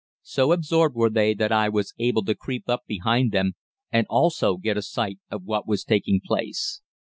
So absorbed were they that I was able to creep up behind them, and also get a sight of what was taking place.